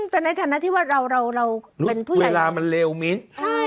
แต่ในฐานะที่ว่าเราเป็นผู้หญิงเวลามันเร็วมิ้น